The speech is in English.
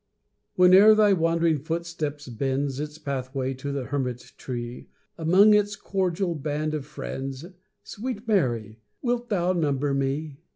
Whene'er thy wandering footstep bends Its pathway to the Hermit tree, Among its cordial band of friends, Sweet Mary! wilt thou number me?